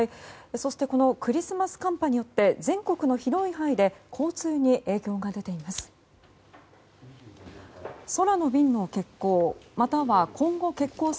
そしてこのクリスマス寒波によって全国の広い範囲で交通に影響が出ています。